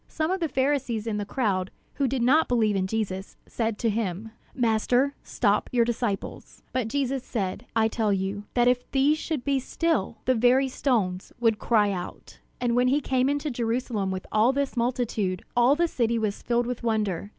Some of the Pharisees in the crowd, who did not believe in Jesus, said to him: "Master, stop your disciples!" But Jesus said: "I tell you, that if these should be still, the very stones would cry out!" And when he came into Jerusalem with all this multitude, all the city was filled with wonder.